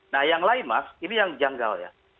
nah yang lain mas ini yang janggal ya